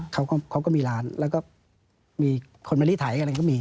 เขาก็มีร้านแล้วก็มีคนมานี่ถ่ายกันก็มี